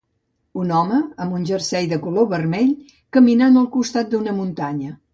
Un home amb un jersei de color vermell caminant al costat d"una muntanya.